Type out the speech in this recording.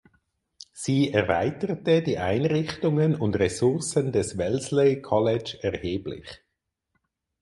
Sie erweiterte die Einrichtungen und Ressourcen des Wellesley College erheblich.